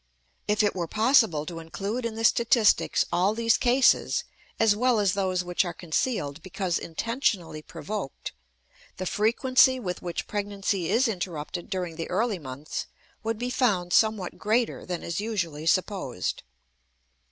If it were possible to include in the statistics all these cases as well as those which are concealed because intentionally provoked, the frequency with which pregnancy is interrupted during the early months would be found somewhat greater than is usually supposed.